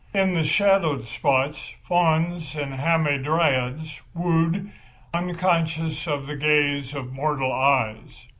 In the shadowed spots fauns and hamadryads wooed, unconscious of the gaze of mortal eyes.